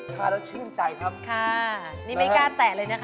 ทานแล้วชื่นใจครับค่ะนี่ไม่กล้าแตะเลยนะคะ